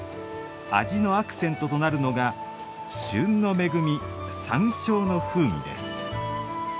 味のアクセントとなるのが旬の恵み、山椒の風味です。